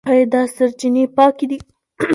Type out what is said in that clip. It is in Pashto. ايا دا سرچينې پاکي دي؟